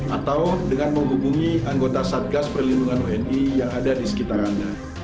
atau dengan menghubungi anggota satgas perlindungan wni yang ada di sekitar anda